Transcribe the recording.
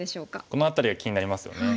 この辺りが気になりますよね。